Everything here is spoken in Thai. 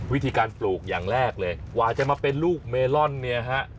วิธีการปลูกอย่างแรกเลยกว่าจะมาเป็นลูกเมลอนเนี่ยฮะ